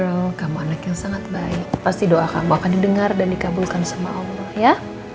kalau kamu anak yang sangat baik pasti doa kamu akan didengar dan dikabulkan sama allah ya